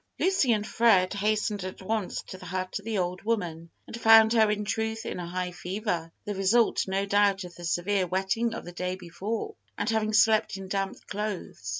Lucy and Fred hastened at once to the hut of the old woman, and found her in truth in a high fever, the result, no doubt, of the severe wetting of the day before, and having slept in damp clothes.